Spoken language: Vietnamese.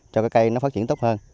cho cây nó phát triển tốt hơn